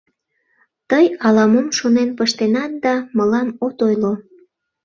— Тый ала-мом шонен пыштенат да мылам от ойло…